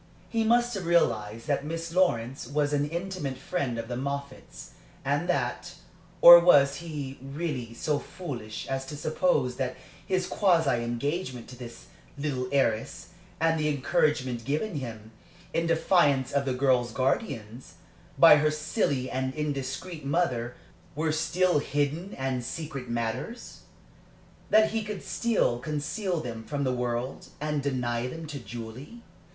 He must have realized that Miss Lawrence was an intimate friend of the Moffatts, and that Or was he really so foolish as to suppose that his quasi engagement to this little heiress, and the encouragement given him, in defiance of the girl's guardians, by her silly and indiscreet mother, were still hidden and secret matters? that he could still conceal them from the world, and deny them to Julie?